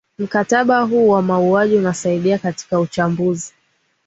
mkataba huu wa mauaji unasaidia katika uchambuzi